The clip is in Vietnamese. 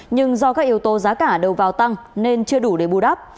nhưng do các yếu tố giá cả đầu vào tăng nên chưa đủ để bù đắp